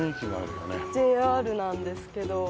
ＪＲなんですけど。